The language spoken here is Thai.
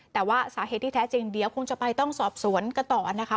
แต่ว่าสาเหตุที่แท้จริงเดี๋ยวคงจะไปต้องสอบสวนกันต่อนะคะ